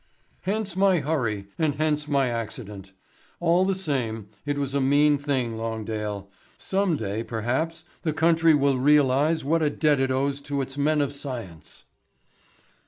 "Hence my hurry, and hence my accident. All the same, it was a mean thing, Longdale. Some day perhaps the country will realise what a debt it owes to its men of science."